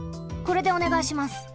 これでおねがいします。